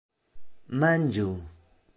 manĝu